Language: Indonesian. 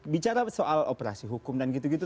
bicara soal operasi hukum dan gitu gitu